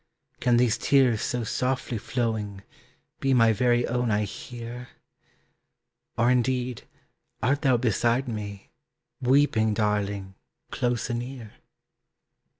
Can these tears so softly flowing Be my very own I hear? Or indeed, art thou beside me, Weeping, darling, close anear?